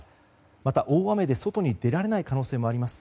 また、大雨で外に出られない可能性もあります。